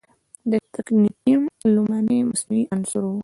د تکنیټیم لومړنی مصنوعي عنصر و.